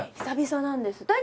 久々なんです。